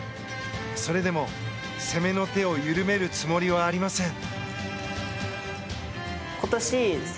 それでも攻めの手を緩めるつもりはありません。